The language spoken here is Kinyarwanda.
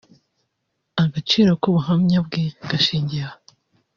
Agaciro k’ubuhamya bwe gashingiye aha